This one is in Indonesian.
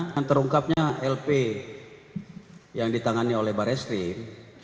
yang terungkapnya lp yang ditangani oleh barai srim